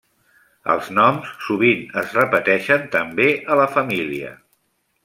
Els noms sovint es repeteixen també a la família.